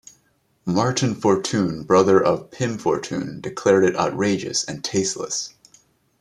Marten Fortuyn, brother of Pim Fortuyn, declared it outrageous and tasteless.